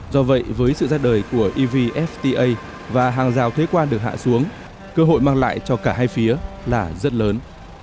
do vậy với sự ra đời của evfta và hàng rào thuế quan được hạ xuống cơ hội mang lại cho cả hai phía là rất lớn